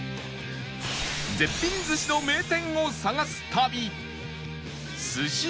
絶品寿司の名店を探す旅すし歩き